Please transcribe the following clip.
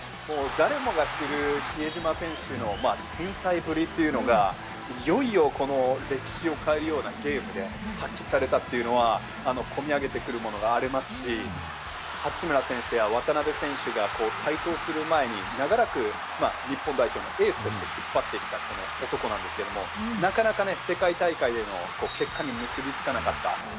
誰もが知る比江島選手の天才ぶりというのが、いよいよ歴史を変えるようなゲームで発揮されたというのは、こみ上げてくるものがありますし、八村選手や渡邊選手が台頭する前に長らく日本代表のエースとして引っ張ってきた男なんですけれども、なかなか世界大会で結果に結びつかなかった。